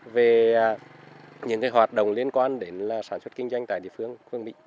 về những hoạt động liên quan đến sản xuất kinh doanh tại địa phương mỹ